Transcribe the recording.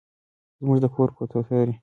زموږ د کور کوترې